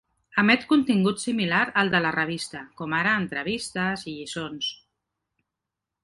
Emet contingut similar al de la revista, com ara entrevistes i lliçons.